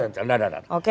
tidak tidak tidak